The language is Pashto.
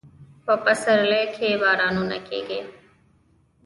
په پسرلي کې بارانونه کیږي